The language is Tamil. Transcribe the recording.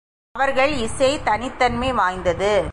அவர்கள் இசை தனித் தன்மை வாய்ந்தது.